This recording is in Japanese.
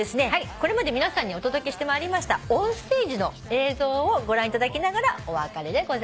これまで皆さんにお届けしてまいりました『オンステージ』の映像をご覧いただきながらお別れでございます。